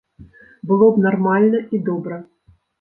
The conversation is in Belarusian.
Было б нармальна і добра.